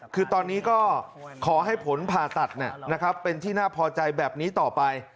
คือตอนนี้ก็ขอให้ผลผ่าตัดเป็นที่น่าพอใจแบบนี้ต่อไป